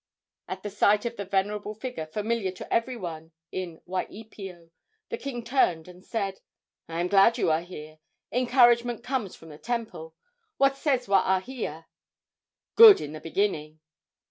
At the sight of the venerable figure, familiar to every one in Waipio, the king turned and said: "I am glad you are here. Encouragement comes from the temple. What says Waahia?" "Good in the beginning!